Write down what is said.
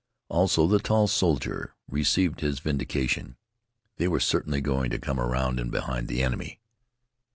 Also, the tall soldier received his vindication. They were certainly going to come around in behind the enemy.